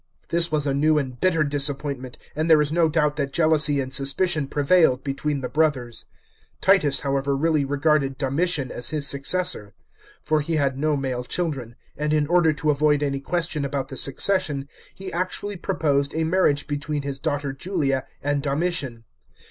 This was a new and bitter disappointment, and there is no doubt that jealousy and suspicion prevailed between trr brothers. Titus, however, really regarded Domitian as his successor. For he had no male children; and in order to avoid any question about the succession, he actually proposed a marriage between his daughter Julia and Domitian.